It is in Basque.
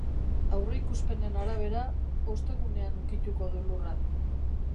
Aurreikuspenen arabera, ostegunean ukituko du lurra.